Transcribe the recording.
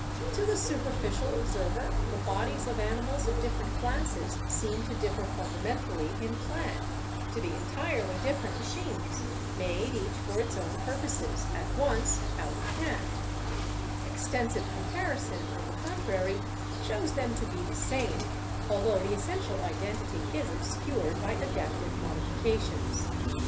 To the superficial observer the bodies of animals of different classes seem to differ fundamentally in plan, to be entirely different Man. Gorilla. Dog. Sheep. Horse. Fig. 17 — Homologies in Hind Limbs.. Romanes.) machines, made each for its own purposes, at once, out of hand. Extensive comparison, on the contrary, shows them to be the same, altho the essential identity is obscured by adaptive modifications.